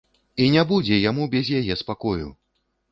І не будзе яму без яе спакою!